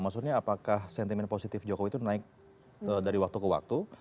maksudnya apakah sentimen positif jokowi itu naik dari waktu ke waktu